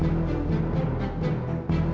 gue juga mau